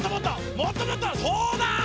そうだ！